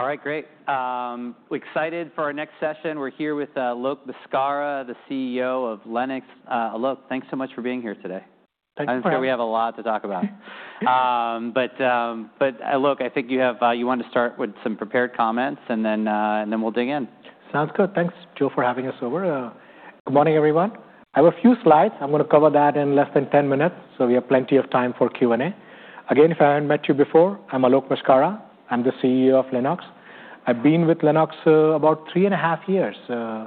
All right, great. Excited for our next session. We're here with Alok Maskara, the CEO of Lennox. Alok, thanks so much for being here today. Thanks, Brian. I'm sure we have a lot to talk about, but Alok, I think you wanted to start with some prepared comments, and then we'll dig in. Sounds good. Thanks, Joe, for having us over. Good morning, everyone. I have a few slides. I'm going to cover that in less than 10 minutes, so we have plenty of time for Q&A. Again, if I haven't met you before, I'm Alok Maskara. I'm the CEO of Lennox. I've been with Lennox about three and a half years, and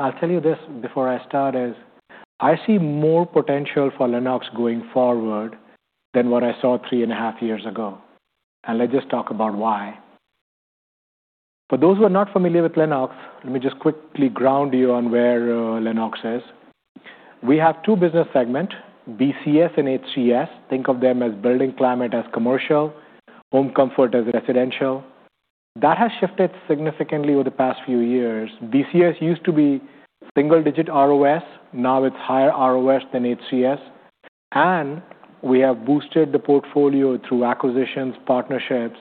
I'll tell you this before I start: I see more potential for Lennox going forward than what I saw three and a half years ago, and let's just talk about why. For those who are not familiar with Lennox, let me just quickly ground you on where Lennox is. We have two business segments: BCS and HCS. Think of them as building climate as commercial, home comfort as residential. That has shifted significantly over the past few years. BCS used to be single-digit ROS. Now it's higher ROS than HCS. We have boosted the portfolio through acquisitions, partnerships.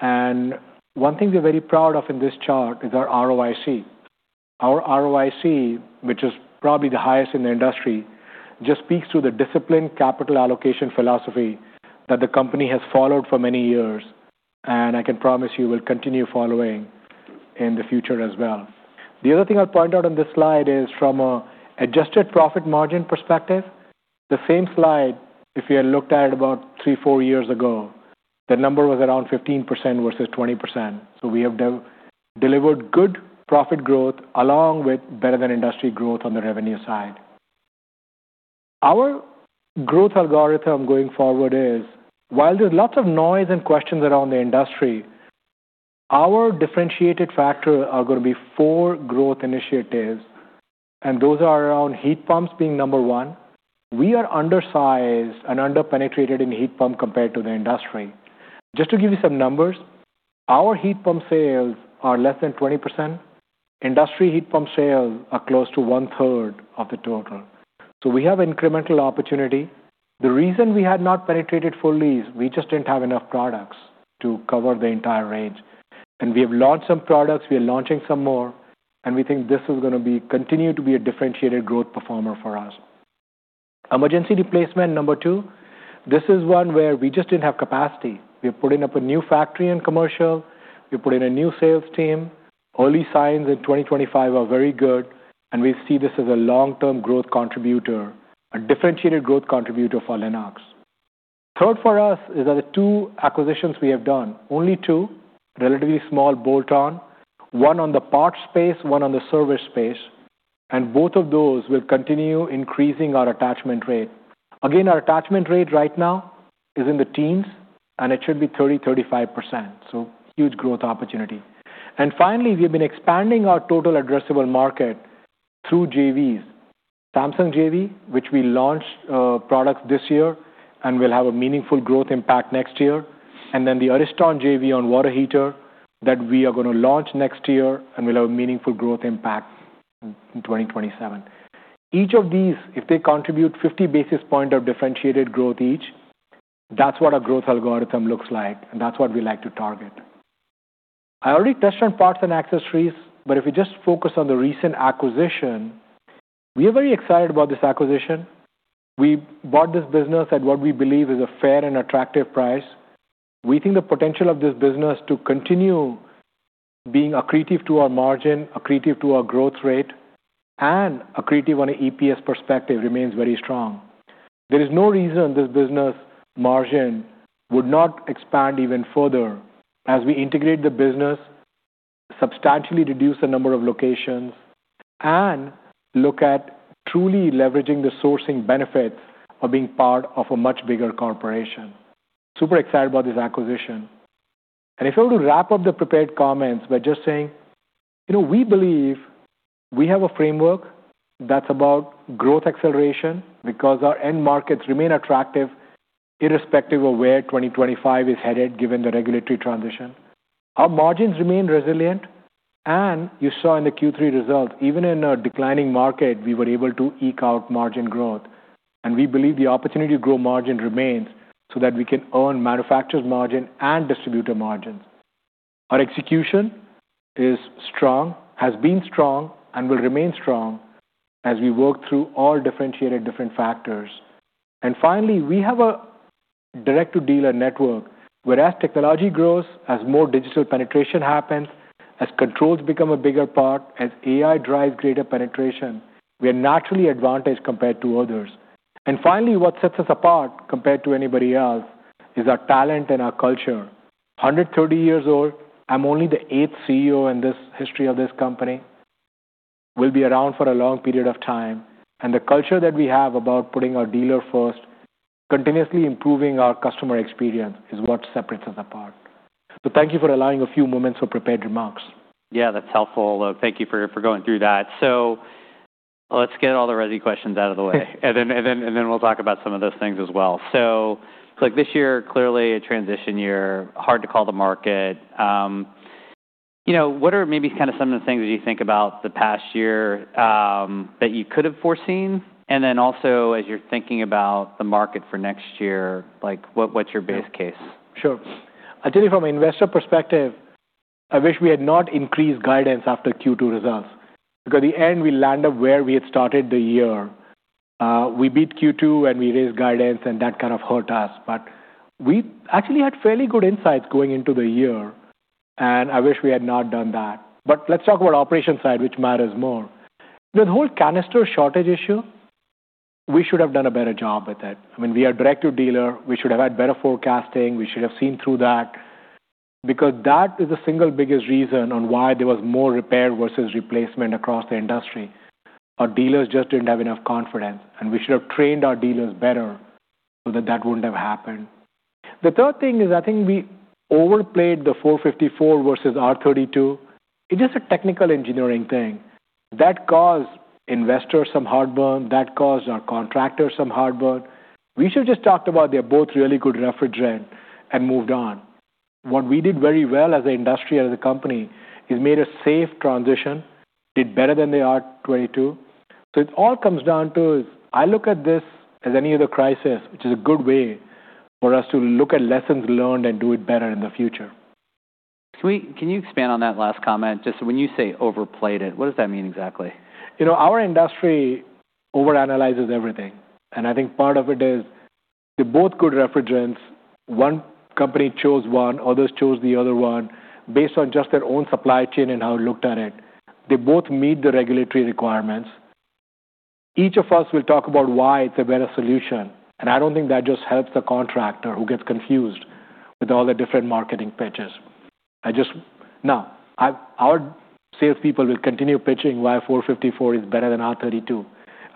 One thing we're very proud of in this chart is our ROIC. Our ROIC, which is probably the highest in the industry, just speaks to the disciplined capital allocation philosophy that the company has followed for many years. I can promise you will continue following in the future as well. The other thing I'll point out on this slide is from an adjusted profit margin perspective. The same slide, if you had looked at it about three, four years ago, the number was around 15% versus 20%. We have delivered good profit growth along with better than industry growth on the revenue side. Our growth algorithm going forward is, while there's lots of noise and questions around the industry, our differentiated factors are going to be four growth initiatives. Those are around heat pumps being number one. We are undersized and under-penetrated in heat pump compared to the industry. Just to give you some numbers, our heat pump sales are less than 20%. Industry heat pump sales are close to one-third of the total, so we have incremental opportunity. The reason we had not penetrated fully is we just didn't have enough products to cover the entire range, and we have launched some products. We are launching some more, and we think this is going to continue to be a differentiated growth performer for us. Emergency replacement, number two. This is one where we just didn't have capacity. We're putting up a new factory in commercial. We're putting a new sales team. Early signs in 2025 are very good, and we see this as a long-term growth contributor, a differentiated growth contributor for Lennox. Third for us is that the two acquisitions we have done, only two, relatively small bolt-on, one on the parts space, one on the service space. And both of those will continue increasing our attachment rate. Again, our attachment rate right now is in the teens, and it should be 30%-35%. So huge growth opportunity. And finally, we have been expanding our total addressable market through JVs, Samsung JV, which we launched products this year, and will have a meaningful growth impact next year. And then the Ariston JV on water heater that we are going to launch next year, and we'll have a meaningful growth impact in 2027. Each of these, if they contribute 50 basis points of differentiated growth each, that's what our growth algorithm looks like. And that's what we like to target. I already touched on parts and accessories, but if we just focus on the recent acquisition, we are very excited about this acquisition. We bought this business at what we believe is a fair and attractive price. We think the potential of this business to continue being accretive to our margin, accretive to our growth rate, and accretive on an EPS perspective remains very strong. There is no reason this business margin would not expand even further as we integrate the business, substantially reduce the number of locations, and look at truly leveraging the sourcing benefits of being part of a much bigger corporation. Super excited about this acquisition, and if I were to wrap up the prepared comments, by just saying, you know, we believe we have a framework that's about growth acceleration because our end markets remain attractive, irrespective of where 2025 is headed given the regulatory transition. Our margins remain resilient, and you saw in the Q3 results, even in a declining market, we were able to eke out margin growth, and we believe the opportunity to grow margin remains so that we can earn manufacturers' margin and distributor margins. Our execution is strong, has been strong, and will remain strong as we work through all differentiated different factors, and finally, we have a direct-to-dealer network where, as technology grows, as more digital penetration happens, as controls become a bigger part, as AI drives greater penetration, we are naturally advantaged compared to others, and finally, what sets us apart compared to anybody else is our talent and our culture. 130 years old, I'm only the eighth CEO in this history of this company. We'll be around for a long period of time. And the culture that we have about putting our dealer first, continuously improving our customer experience is what separates us apart. So thank you for allowing a few moments for prepared remarks. Yeah, that's helpful. Thank you for going through that. So let's get all the ready questions out of the way. And then we'll talk about some of those things as well. So, look, this year clearly a transition year, hard to call the market, you know, what are maybe kind of some of the things that you think about the past year, that you could have foreseen? And then also, as you're thinking about the market for next year, like, what's your base case? Sure. Actually, from an investor perspective, I wish we had not increased guidance after Q2 results. Because at the end, we landed where we had started the year. We beat Q2 and we raised guidance, and that kind of hurt us, but we actually had fairly good insights going into the year, and I wish we had not done that, but let's talk about operations side, which matters more. The whole canister shortage issue, we should have done a better job with it. I mean, we are a direct-to-dealer. We should have had better forecasting. We should have seen through that. Because that is the single biggest reason on why there was more repair versus replacement across the industry. Our dealers just didn't have enough confidence. And we should have trained our dealers better so that that wouldn't have happened. The third thing is, I think we overplayed the R-454 versus R-32. It's just a technical engineering thing. That caused investors some heartburn. That caused our contractors some heartburn. We should just talk about they're both really good refrigerant and moved on. What we did very well as an industry, as a company, is made a safe transition, did better than the R-22. So it all comes down to, I look at this as any other crisis, which is a good way for us to look at lessons learned and do it better in the future. Can you expand on that last comment? Just when you say overplayed it, what does that mean exactly? You know, our industry overanalyzes everything. And I think part of it is they're both good refrigerants. One company chose one, others chose the other one based on just their own supply chain and how it looked at it. They both meet the regulatory requirements. Each of us will talk about why it's a better solution. And I don't think that just helps the contractor who gets confused with all the different marketing pitches. I just, now, our salespeople will continue pitching why R-454 is better than R-32.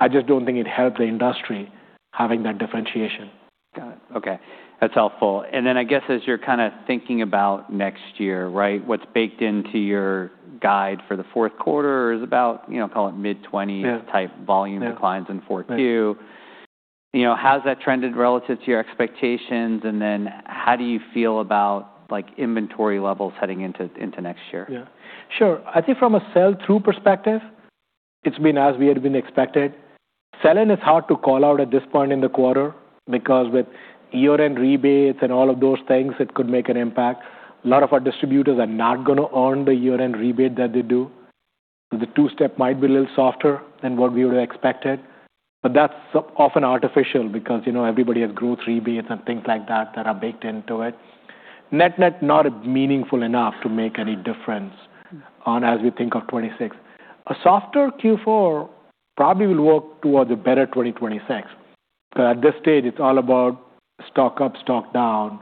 I just don't think it helps the industry having that differentiation. Got it. Okay. That's helpful. And then I guess as you're kind of thinking about next year, right, what's baked into your guide for the fourth quarter is about, you know, call it mid-20 type volume declines in Q4. You know, how's that trended relative to your expectations? And then how do you feel about, like, inventory levels heading into next year? Yeah. Sure. I think from a sell-through perspective, it's been as we had been expected. Selling is hard to call out at this point in the quarter because with year-end rebates and all of those things, it could make an impact. A lot of our distributors are not going to earn the year-end rebate that they do. So the two-step might be a little softer than what we would have expected. But that's often artificial because, you know, everybody has growth rebates and things like that that are baked into it. Net-net not meaningful enough to make any difference on as we think of 2026. A softer Q4 probably will work towards a better 2026. Because at this stage, it's all about stock up, stock down,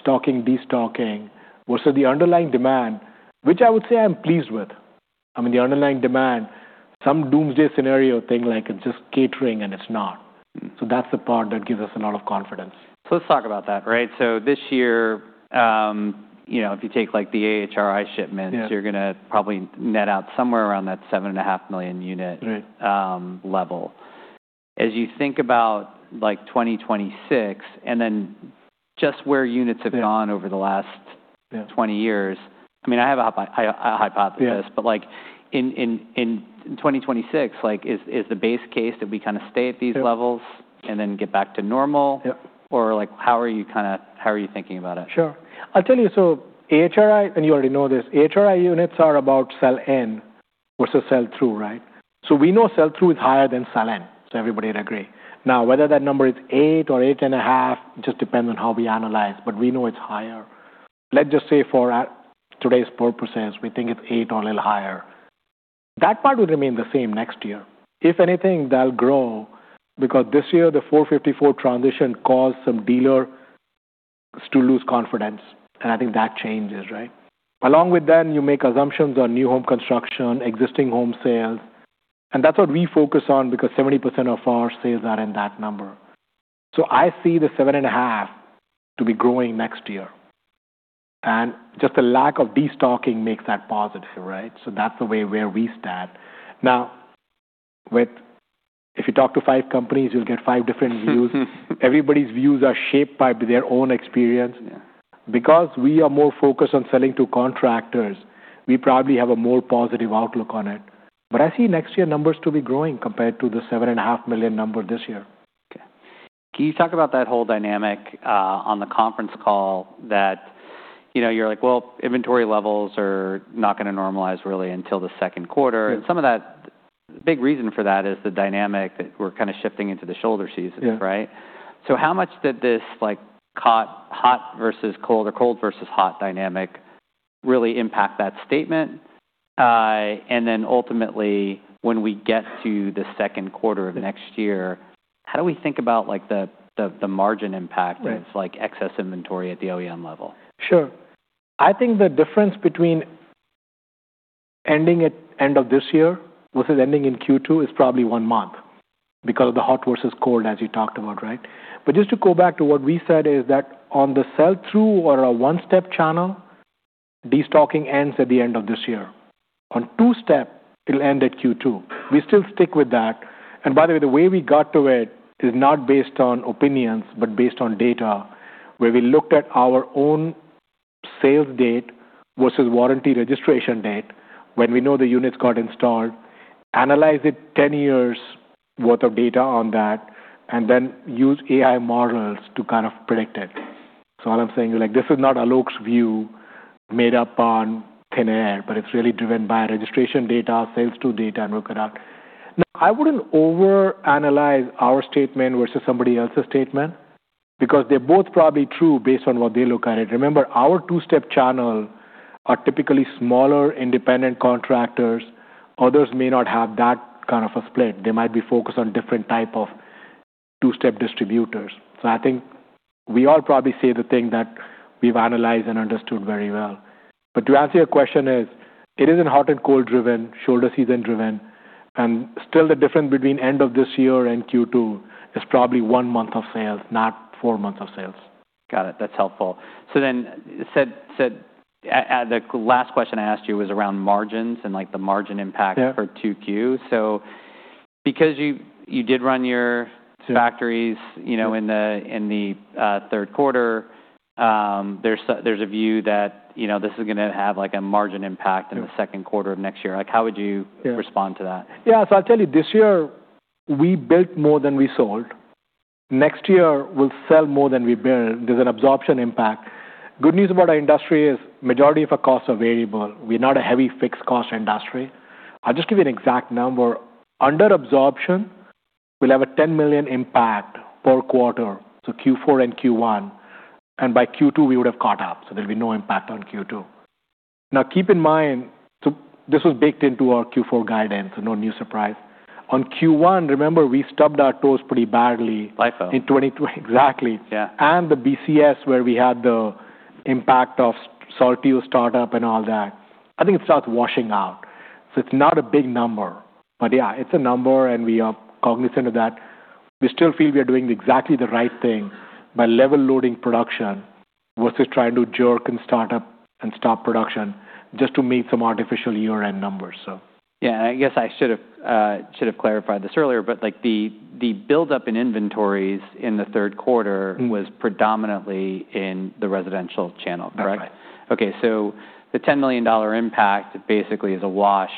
stocking, destocking versus the underlying demand, which I would say I'm pleased with. I mean, the underlying demand, some doomsday scenario thing like it's just catering and it's not. So that's the part that gives us a lot of confidence. So let's talk about that, right? So this year, you know, if you take like the AHRI shipments, you're going to probably net out somewhere around that seven and a half million unit level. As you think about like 2026 and then just where units have gone over the last 20 years, I mean, I have a hypothesis, but like in 2026, like is the base case that we kind of stay at these levels and then get back to normal? Or like how are you kind of thinking about it? Sure. I'll tell you, so AHRI, and you already know this, AHRI units are about sell-in versus sell-through, right? So we know sell-through is higher than sell-in. So everybody would agree. Now, whether that number is eight or eight and a half, it just depends on how we analyze, but we know it's higher. Let's just say for today's purposes, we think it's eight or a little higher. That part would remain the same next year. If anything, they'll grow because this year, the R-454 transition caused some dealers to lose confidence. And I think that changes, right? Along with that, you make assumptions on new home construction, existing home sales. And that's what we focus on because 70% of our sales are in that number. So I see the seven and a half to be growing next year. Just the lack of destocking makes that positive, right? That's the way where we stand. Now, if you talk to five companies, you'll get five different views. Everybody's views are shaped by their own experience. Because we are more focused on selling to contractors, we probably have a more positive outlook on it. But I see next year numbers to be growing compared to the 7.5 million number this year. Okay. Can you talk about that whole dynamic, on the conference call that, you know, you're like, well, inventory levels are not going to normalize really until the second quarter. And some of that, the big reason for that is the dynamic that we're kind of shifting into the shoulder season, right? So how much did this, like, hot versus cold or cold versus hot dynamic really impact that statement? And then ultimately, when we get to the second quarter of next year, how do we think about like the margin impact of like excess inventory at the OEM level? Sure. I think the difference between ending at end of this year versus ending in Q2 is probably one month because of the hot versus cold, as you talked about, right? But just to go back to what we said is that on the sell-through or a one-step channel, destocking ends at the end of this year. On two-step, it'll end at Q2. We still stick with that. And by the way, the way we got to it is not based on opinions, but based on data where we looked at our own sales date versus warranty registration date when we know the units got installed, analyzed it 10 years' worth of data on that, and then used AI models to kind of predict it. So all I'm saying is like, this is not Alok's view made up on thin air, but it's really driven by registration data, sales-to-data, and work it out. Now, I wouldn't overanalyze our statement versus somebody else's statement because they're both probably true based on what they look at it. Remember, our two-step channel are typically smaller independent contractors. Others may not have that kind of a split. They might be focused on different types of two-step distributors. So I think we all probably say the thing that we've analyzed and understood very well. But to answer your question is, it isn't hot and cold driven, shoulder season driven. And still the difference between end of this year and Q2 is probably one month of sales, not four months of sales. Got it. That's helpful. So then, the last question I asked you was around margins and like the margin impact for Q2. So because you did run your factories, you know, in the third quarter, there's a view that, you know, this is going to have like a margin impact in the second quarter of next year. Like how would you respond to that? Yeah. So I'll tell you, this year we built more than we sold. Next year we'll sell more than we built. There's an absorption impact. Good news about our industry is majority of our costs are variable. We're not a heavy fixed cost industry. I'll just give you an exact number. Under absorption, we'll have a $10 million impact per quarter. So Q4 and Q1. And by Q2, we would have caught up. So there'll be no impact on Q2. Now, keep in mind, so this was baked into our Q4 guidance, so no new surprise. On Q1, remember, we stubbed our toes pretty badly. Life. In 2022, exactly. And the BCS where we had the impact of Saltillo startup and all that. I think it starts washing out. So it's not a big number, but yeah, it's a number and we are cognizant of that. We still feel we are doing exactly the right thing by level loading production versus trying to jerk and start up and stop production just to meet some artificial year-end numbers, so. Yeah, I guess I should have clarified this earlier, but like the buildup in inventories in the third quarter was predominantly in the residential channel, correct? That's right. Okay. So the $10 million impact basically is a wash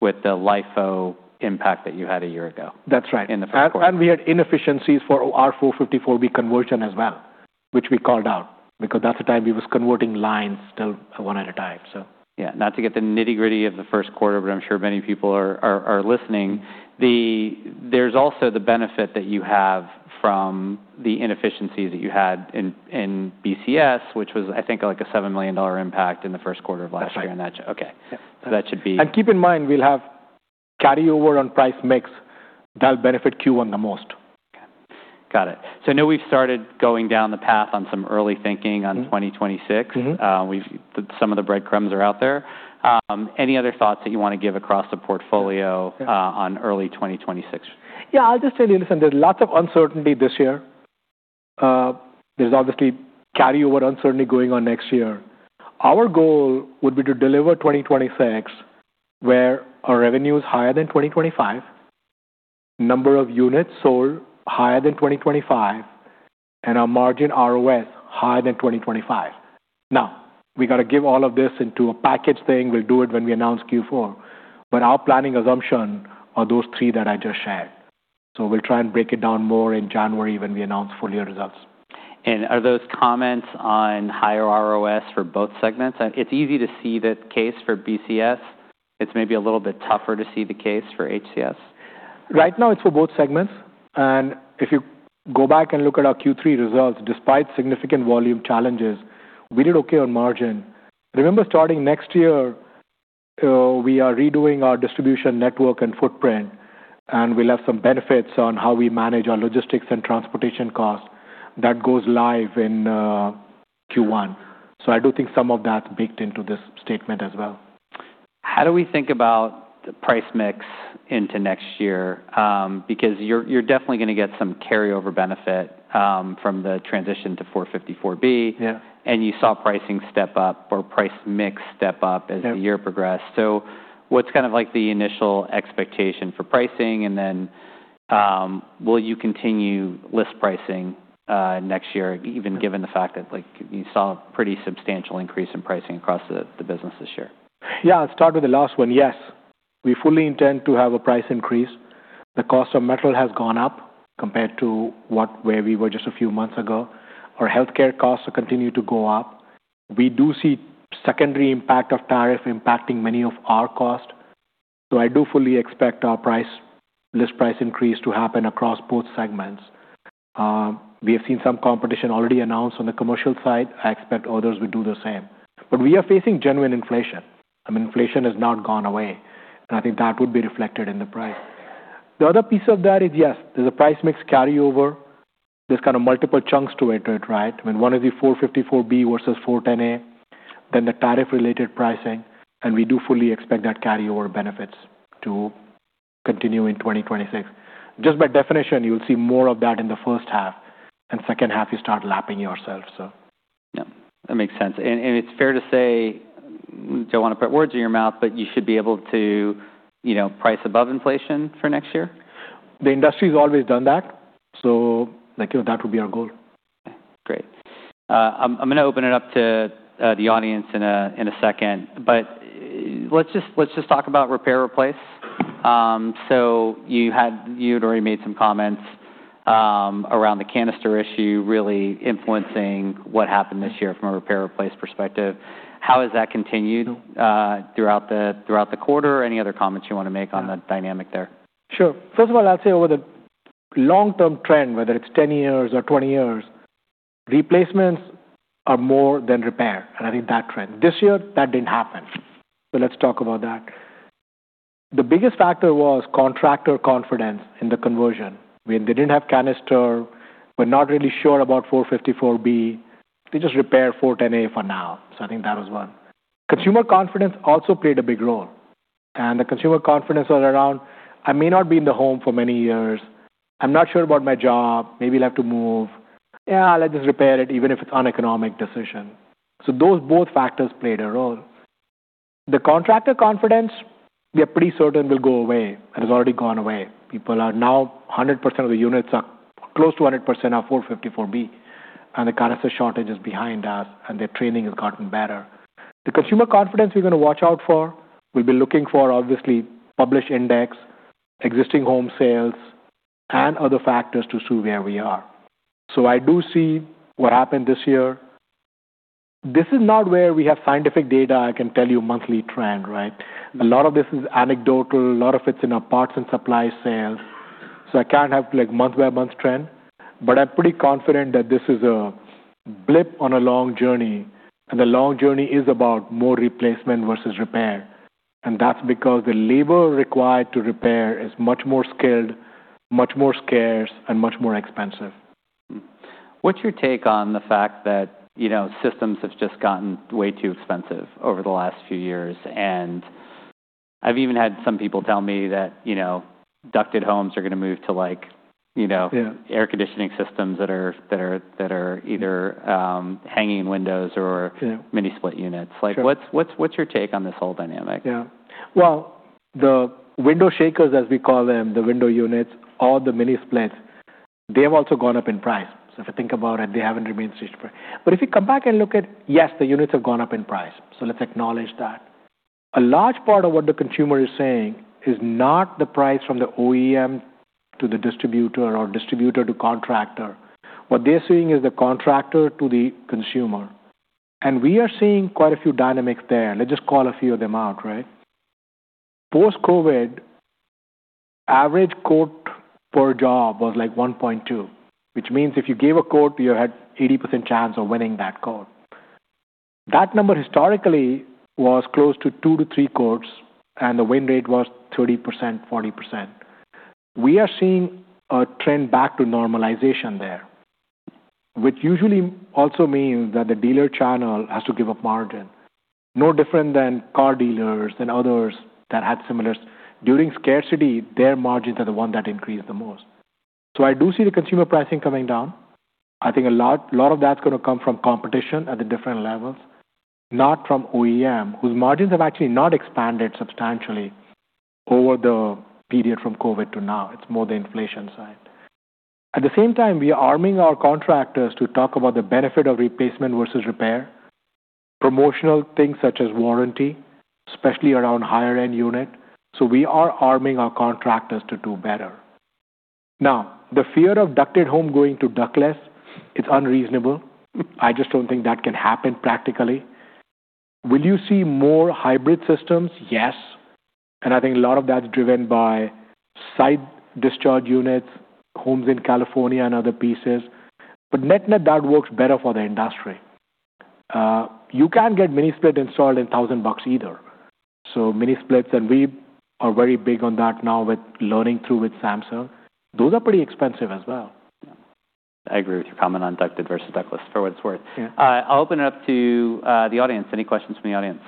with the LIFO impact that you had a year ago. That's right. And we had inefficiencies for our 454B conversion as well, which we called out because that's the time we were converting lines still one at a time, so. Yeah. Not to get the nitty-gritty of the first quarter, but I'm sure many people are listening. There's also the benefit that you have from the inefficiencies that you had in BCS, which was, I think, like a $7 million impact in the first quarter of last year in that. That's right. Okay. So that should be. Keep in mind, we'll have carryover on price mix that'll benefit Q1 the most. Okay. Got it, so I know we've started going down the path on some early thinking on 2026. Some of the breadcrumbs are out there. Any other thoughts that you want to give across the portfolio on early 2026? Yeah, I'll just tell you, listen, there's lots of uncertainty this year. There's obviously carryover uncertainty going on next year. Our goal would be to deliver 2026 where our revenue is higher than 2025, number of units sold higher than 2025, and our margin ROS higher than 2025. Now, we got to give all of this into a package thing. We'll do it when we announce Q4. But our planning assumption are those three that I just shared. So we'll try and break it down more in January when we announce fully our results. Are those comments on higher ROS for both segments? It's easy to see that case for BCS. It's maybe a little bit tougher to see the case for HCS. Right now it's for both segments. And if you go back and look at our Q3 results, despite significant volume challenges, we did okay on margin. Remember starting next year, we are redoing our distribution network and footprint, and we'll have some benefits on how we manage our logistics and transportation costs that goes live in Q1. So I do think some of that's baked into this statement as well. How do we think about the price mix into next year? Because you're, you're definitely going to get some carryover benefit from the transition to 454B. And you saw pricing step up or price mix step up as the year progressed. So what's kind of like the initial expectation for pricing? And then, will you continue list pricing next year, even given the fact that like you saw a pretty substantial increase in pricing across the business this year? Yeah, I'll start with the last one. Yes. We fully intend to have a price increase. The cost of metal has gone up compared to where we were just a few months ago. Our healthcare costs have continued to go up. We do see secondary impact of tariff impacting many of our costs. So I do fully expect our price list price increase to happen across both segments. We have seen some competition already announced on the commercial side. I expect others will do the same. But we are facing genuine inflation. I mean, inflation has not gone away. And I think that would be reflected in the price. The other piece of that is, yes, there's a price mix carryover. There's kind of multiple chunks to it, right? I mean, one is the 454B versus 410A, then the tariff-related pricing. And we do fully expect that carryover benefits to continue in 2026. Just by definition, you'll see more of that in the first half. And second half, you start lapping yourself, so. Yeah. That makes sense, and it's fair to say, don't want to put words in your mouth, but you should be able to, you know, price above inflation for next year? The industry has always done that. So like, you know, that would be our goal. Great. I'm going to open it up to the audience in a second, but let's just talk about repair replace. So you'd already made some comments around the canister issue really influencing what happened this year from a repair replace perspective. How has that continued throughout the quarter? Any other comments you want to make on that dynamic there? Sure. First of all, I'll say over the long-term trend, whether it's 10 years or 20 years, replacements are more than repair, and I think that trend this year, that didn't happen, so let's talk about that. The biggest factor was contractor confidence in the conversion. When they didn't have canister, were not really sure about 454B. They just repaired 410A for now, so I think that was one. Consumer confidence also played a big role, and the consumer confidence was around, I may not be in the home for many years. I'm not sure about my job. Maybe I'll have to move. Yeah, I'll just repair it even if it's an economic decision, so those both factors played a role. The contractor confidence, we are pretty certain will go away. It has already gone away. People are now 100% of the units are close to 100% of 454B. The canister shortage is behind us and their training has gotten better. The consumer confidence we're going to watch out for, we'll be looking for obviously published index, existing home sales, and other factors to see where we are. I do see what happened this year. This is not where we have scientific data. I can tell you monthly trend, right? A lot of this is anecdotal. A lot of it's in our parts and supply sales. I can't have like month-by-month trend, but I'm pretty confident that this is a blip on a long journey. The long journey is about more replacement versus repair. That's because the labor required to repair is much more skilled, much more scarce, and much more expensive. What's your take on the fact that, you know, systems have just gotten way too expensive over the last few years? And I've even had some people tell me that, you know, ducted homes are going to move to like, you know, air conditioning systems that are either window units or mini-split units. Like what's your take on this whole dynamic? Yeah. Well, the window shakers, as we call them, the window units, or the mini splits, they have also gone up in price. So if I think about it, they haven't remained stable. But if you come back and look at, yes, the units have gone up in price. So let's acknowledge that. A large part of what the consumer is saying is not the price from the OEM to the distributor or distributor to contractor. What they're seeing is the contractor to the consumer. And we are seeing quite a few dynamics there. Let's just call a few of them out, right? Post-COVID, average quote per job was like 1.2, which means if you gave a quote, you had 80% chance of winning that quote. That number historically was close to two to three quotes, and the win rate was 30%, 40%. We are seeing a trend back to normalization there, which usually also means that the dealer channel has to give up margin. No different than car dealers and others that had similar during scarcity, their margins are the ones that increase the most. So I do see the consumer pricing coming down. I think a lot, a lot of that's going to come from competition at the different levels, not from OEM, whose margins have actually not expanded substantially over the period from COVID to now. It's more the inflation side. At the same time, we are arming our contractors to talk about the benefit of replacement versus repair, promotional things such as warranty, especially around higher-end unit. So we are arming our contractors to do better. Now, the fear of ducted home going to ductless, it's unreasonable. I just don't think that can happen practically. Will you see more hybrid systems? Yes, and I think a lot of that's driven by side discharge units, homes in California and other places. But net, net that works better for the industry. You can't get mini split installed for $1,000 either. So mini splits, and we are very big on that now with working with Samsung. Those are pretty expensive as well. I agree with your comment on ducted versus ductless for what it's worth. I'll open it up to the audience. Any questions from the audience?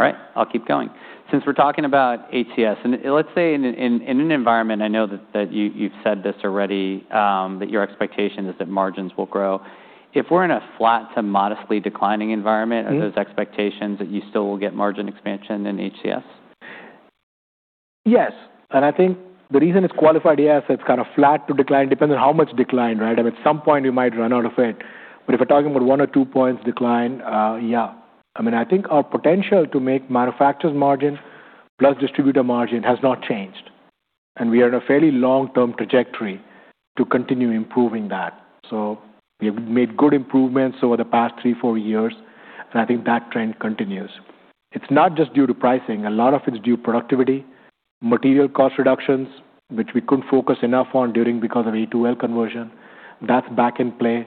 All right. I'll keep going. Since we're talking about HCS, and let's say in an environment, I know that you've said this already, that your expectation is that margins will grow. If we're in a flat to modestly declining environment, are those expectations that you still will get margin expansion in HCS? Yes. And I think the reason it's qualified, yes, it's kind of flat to decline, depends on how much decline, right? I mean, at some point, we might run out of it. But if we're talking about one or two points decline, yeah. I mean, I think our potential to make manufacturers' margin plus distributor margin has not changed. And we are in a fairly long-term trajectory to continue improving that. So we have made good improvements over the past three, four years. And I think that trend continues. It's not just due to pricing. A lot of it's due to productivity, material cost reductions, which we couldn't focus enough on during because of A2L conversion. That's back in play.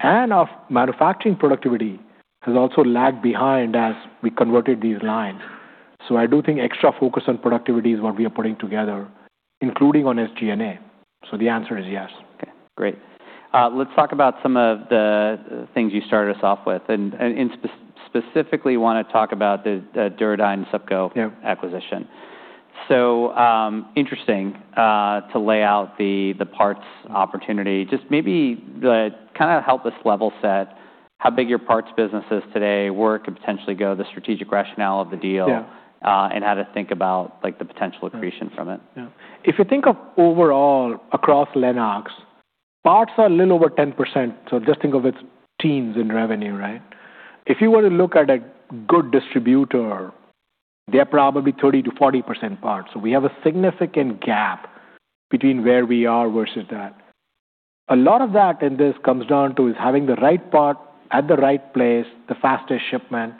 And our manufacturing productivity has also lagged behind as we converted these lines. So I do think extra focus on productivity is what we are putting together, including on SG&A. So the answer is yes. Okay. Great. Let's talk about some of the things you started us off with. I specifically want to talk about the Duro Dyne Subco acquisition. Interesting to lay out the parts opportunity. Just maybe kind of help us level set how big your parts business is today and potentially where it could go, the strategic rationale of the deal, and how to think about like the potential accretion from it. Yeah. If you think of overall across Lennox, parts are a little over 10%. So just think of it's teens in revenue, right? If you want to look at a good distributor, they're probably 30%-40% parts. So we have a significant gap between where we are versus that. A lot of that in this comes down to is having the right part at the right place, the fastest shipment.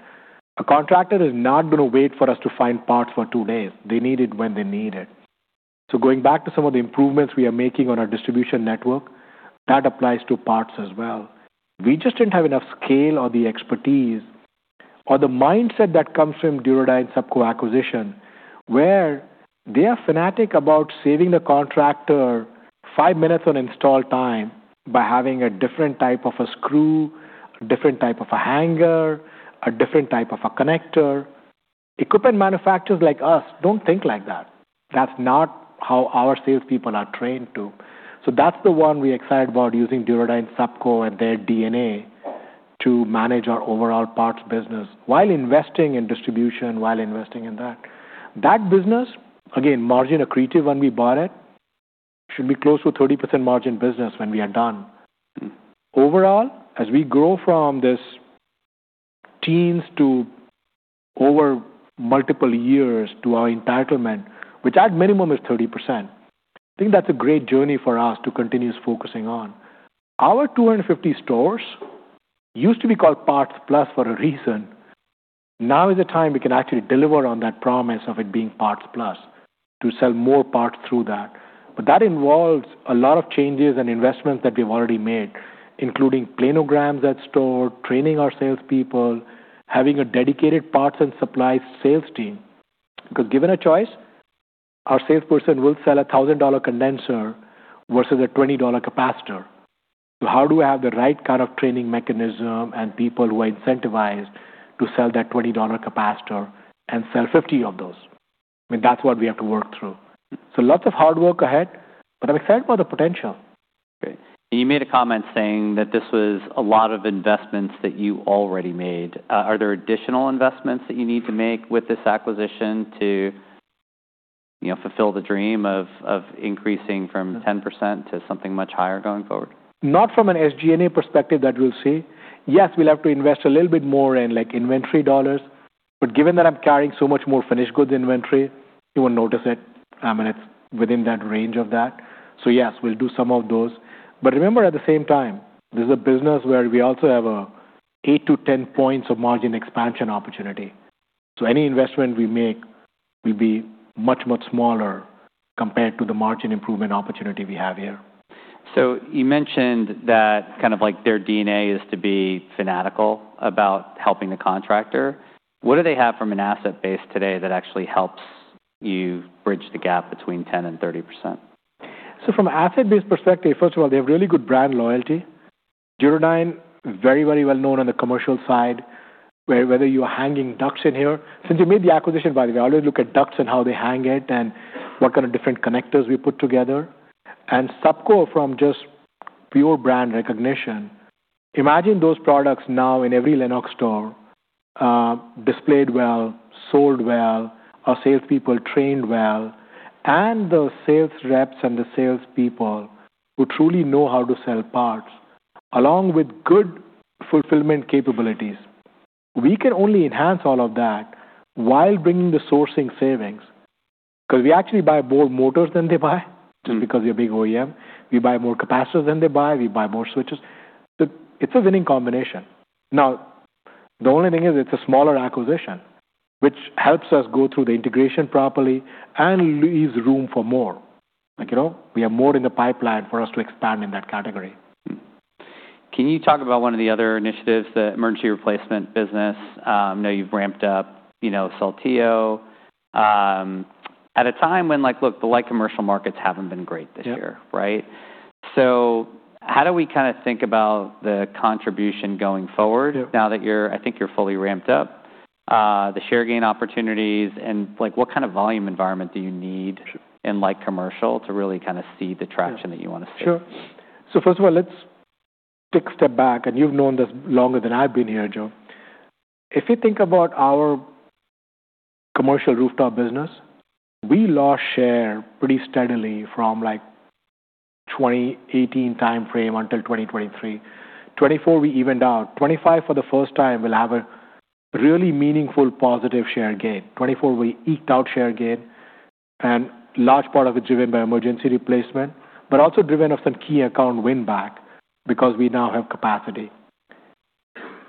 A contractor is not going to wait for us to find parts for two days. They need it when they need it. So going back to some of the improvements we are making on our distribution network, that applies to parts as well. We just didn't have enough scale or the expertise or the mindset that comes from Duro Dyne subco acquisition, where they are fanatic about saving the contractor five minutes on install time by having a different type of a screw, a different type of a hanger, a different type of a connector. Equipment manufacturers like us don't think like that. That's not how our salespeople are trained to. So that's the one we're excited about using Duro Dyne subco and their DNA to manage our overall parts business while investing in distribution, while investing in that. That business, again, margin accretive when we bought it, should be close to 30% margin business when we are done. Overall, as we grow from this teens to over multiple years to our entitlement, which at minimum is 30%, I think that's a great journey for us to continue focusing on. Our 250 stores used to be called Parts Plus for a reason. Now is the time we can actually deliver on that promise of it being Parts Plus to sell more parts through that. But that involves a lot of changes and investments that we have already made, including planograms at store, training our salespeople, having a dedicated parts and supply sales team. Because given a choice, our salesperson will sell a $1,000 condenser versus a $20 capacitor. So how do I have the right kind of training mechanism and people who are incentivized to sell that $20 capacitor and sell 50 of those? I mean, that's what we have to work through. So lots of hard work ahead, but I'm excited about the potential. Great. And you made a comment saying that this was a lot of investments that you already made. Are there additional investments that you need to make with this acquisition to, you know, fulfill the dream of increasing from 10% to something much higher going forward? Not from an SG&A perspective that we'll see. Yes, we'll have to invest a little bit more in like inventory dollars. But given that I'm carrying so much more finished goods inventory, you won't notice it. I mean, it's within that range of that. So yes, we'll do some of those. But remember, at the same time, this is a business where we also have an 8-10 points of margin expansion opportunity. So any investment we make will be much, much smaller compared to the margin improvement opportunity we have here. So you mentioned that kind of like their DNA is to be fanatical about helping the contractor. What do they have from an asset base today that actually helps you bridge the gap between 10% and 30%? So from an asset base perspective, first of all, they have really good brand loyalty. Duro Dyne, very, very well known on the commercial side, where whether you're hanging ducts in here. Since you made the acquisition, by the way, I always look at ducts and how they hang it and what kind of different connectors we put together. And Subco from just pure brand recognition. Imagine those products now in every Lennox store, displayed well, sold well, our salespeople trained well, and the sales reps and the salespeople who truly know how to sell parts along with good fulfillment capabilities. We can only enhance all of that while bringing the sourcing savings. Because we actually buy more motors than they buy, just because we're a big OEM. We buy more capacitors than they buy. We buy more switches. So it's a winning combination. Now, the only thing is it's a smaller acquisition, which helps us go through the integration properly and leaves room for more. Like, you know, we have more in the pipeline for us to expand in that category. Can you talk about one of the other initiatives, the emergency replacement business? I know you've ramped up, you know, Saltillo at a time when, like, look, the light commercial markets haven't been great this year, right? So how do we kind of think about the contribution going forward now that you're, I think you're fully ramped up, the share gain opportunities and like what kind of volume environment do you need in light commercial to really kind of see the traction that you want to see? Sure. So first of all, let's take a step back, and you've known this longer than I've been here, Joe. If you think about our commercial rooftop business, we lost share pretty steadily from like 2018 timeframe until 2023. 2024, we evened out. 2025, for the first time, we'll have a really meaningful positive share gain. 2024, we eked out share gain, and a large part of it driven by emergency replacement, but also driven of some key account win back because we now have capacity.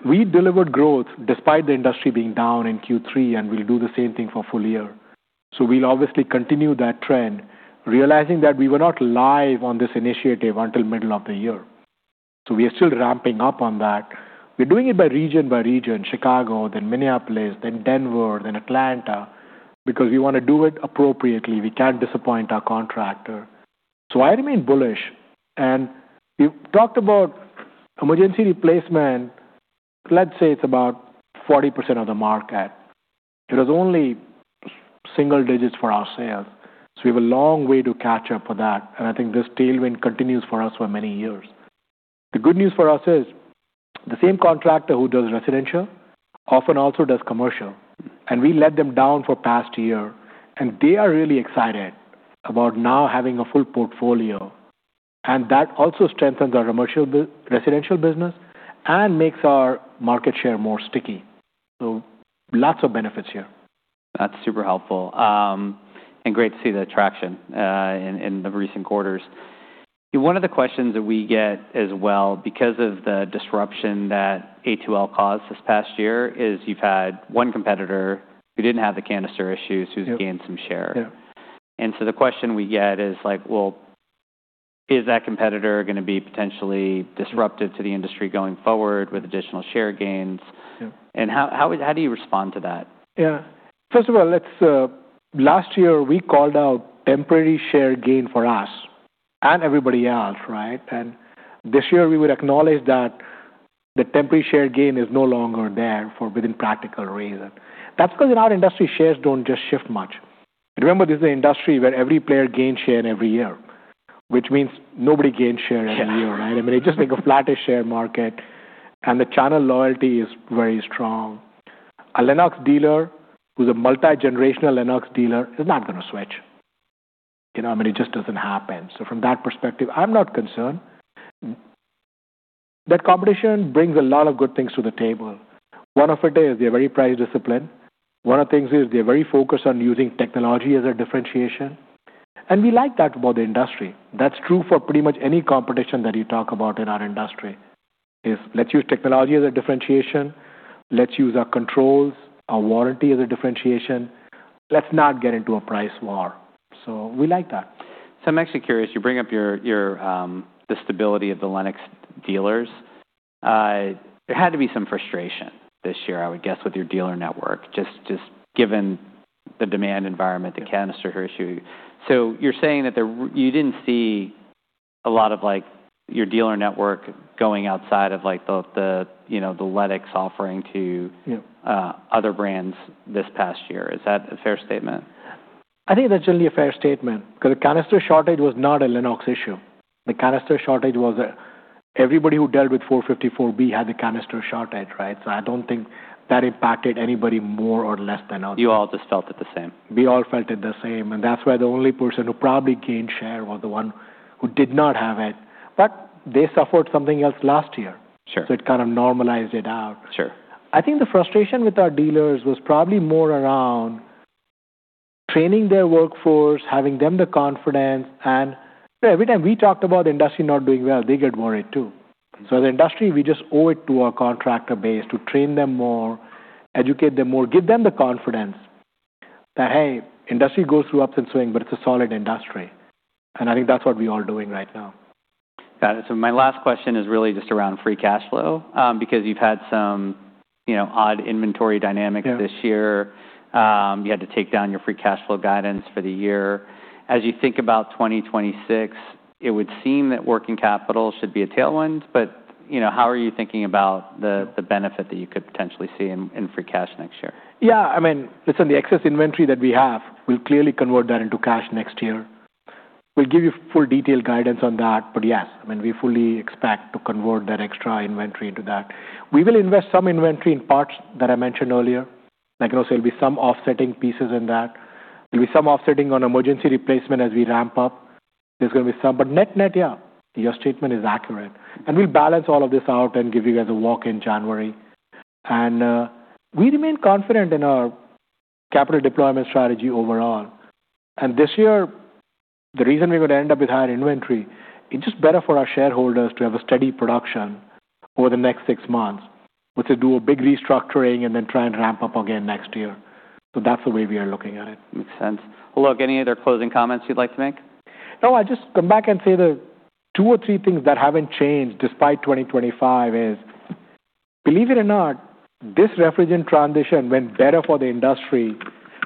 We delivered growth despite the industry being down in Q3, and we'll do the same thing for full year, so we'll obviously continue that trend, realizing that we were not live on this initiative until middle of the year, so we are still ramping up on that. We're doing it by region by region, Chicago, then Minneapolis, then Denver, then Atlanta, because we want to do it appropriately. We can't disappoint our contractor. So I remain bullish. And we've talked about emergency replacement. Let's say it's about 40% of the market. It was only single digits for our sales. So we have a long way to catch up for that. And I think this tailwind continues for us for many years. The good news for us is the same contractor who does residential often also does commercial. And we let them down for past year. And they are really excited about now having a full portfolio. And that also strengthens our commercial residential business and makes our market share more sticky. So lots of benefits here. That's super helpful and great to see the traction in the recent quarters. One of the questions that we get as well, because of the disruption that A2L caused this past year, is you've had one competitor who didn't have the canister issues who's gained some share. Yeah. And so the question we get is like, well, is that competitor going to be potentially disruptive to the industry going forward with additional share gains? And how do you respond to that? Yeah. First of all, let's last year, we called out temporary share gain for us and everybody else, right? And this year, we would acknowledge that the temporary share gain is no longer there for within practical reason. That's because in our industry, shares don't just shift much. Remember, this is an industry where every player gains share every year, which means nobody gains share every year, right? I mean, it just makes a flattish share market. And the channel loyalty is very strong. A Lennox dealer who's a multi-generational Lennox dealer is not going to switch. You know, I mean, it just doesn't happen. So from that perspective, I'm not concerned. That competition brings a lot of good things to the table. One of it is they're very price disciplined. One of the things is they're very focused on using technology as a differentiation. And we like that about the industry. That's true for pretty much any competition that you talk about in our industry, is let's use technology as a differentiation. Let's use our controls, our warranty, as a differentiation. Let's not get into a price war. So we like that. So I'm actually curious. You bring up the stability of the Lennox dealers. There had to be some frustration this year, I would guess, with your dealer network, just given the demand environment, the canister issue. So you're saying that there you didn't see a lot of like your dealer network going outside of like the, you know, the Lennox offering to other brands this past year. Is that a fair statement? I think that's generally a fair statement because the canister shortage was not a Lennox issue. The canister shortage was everybody who dealt with 454B had the canister shortage, right? So I don't think that impacted anybody more or less than us. You all just felt it the same. We all felt it the same, and that's why the only person who probably gained share was the one who did not have it, but they suffered something else last year. Sure. So it kind of normalized it out. Sure. I think the frustration with our dealers was probably more around training their workforce, having them the confidence, and every time we talked about the industry not doing well, they get worried too, so as an industry, we just owe it to our contractor base to train them more, educate them more, give them the confidence that, hey, industry goes through ups and swings, but it's a solid industry, and I think that's what we are doing right now. Got it. So my last question is really just around free cash flow, because you've had some, you know, odd inventory dynamics this year. You had to take down your free cash flow guidance for the year. As you think about 2026, it would seem that working capital should be a tailwind, but, you know, how are you thinking about the benefit that you could potentially see in free cash next year? Yeah. I mean, listen, the excess inventory that we have, we'll clearly convert that into cash next year. We'll give you full detailed guidance on that. But yes, I mean, we fully expect to convert that extra inventory into that. We will invest some inventory in parts that I mentioned earlier. Like, you know, so there'll be some offsetting pieces in that. There'll be some offsetting on emergency replacement as we ramp up. There's going to be some, but net, net, yeah, your statement is accurate. And we'll balance all of this out and give you guys a walk in January. And, we remain confident in our capital deployment strategy overall. And this year, the reason we're going to end up with higher inventory. It's just better for our shareholders to have a steady production over the next six months, which is do a big restructuring and then try and ramp up again next year. So that's the way we are looking at it. Makes sense. Look, any other closing comments you'd like to make? No, I just come back and say the two or three things that haven't changed despite 2025 is, believe it or not, this refrigerant transition went better for the industry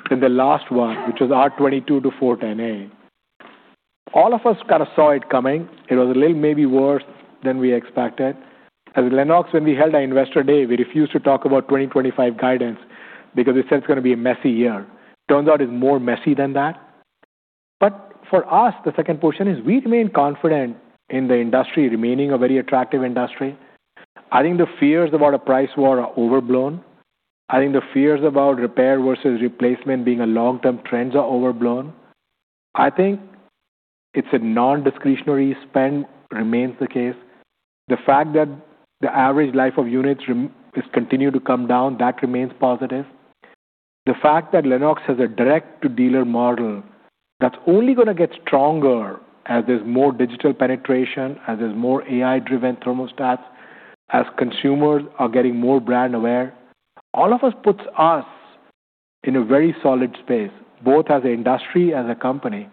than the last one, which was R-22 to R-410A. All of us kind of saw it coming. It was a little maybe worse than we expected. As Lennox, when we held our investor day, we refused to talk about 2025 guidance because we said it's going to be a messy year. Turns out it's more messy than that. But for us, the second portion is we remain confident in the industry remaining a very attractive industry. I think the fears about a price war are overblown. I think the fears about repair versus replacement being a long-term trend are overblown. I think it's a non-discretionary spend remains the case. The fact that the average life of units is continued to come down, that remains positive. The fact that Lennox has a direct-to-dealer model that's only going to get stronger as there's more digital penetration, as there's more AI-driven thermostats, as consumers are getting more brand aware, all of us puts us in a very solid space, both as an industry, as a company,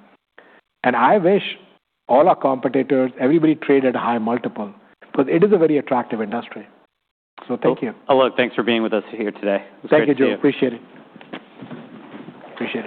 and I wish all our competitors, everybody traded a high multiple because it is a very attractive industry, so thank you. Look, thanks for being with us here today. It was great to be here. Thank you, Joe. Appreciate it. Appreciate it.